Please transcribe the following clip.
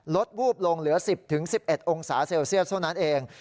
วูบลงเหลือ๑๐๑๑องศาเซลเซียสเท่านั้นเอง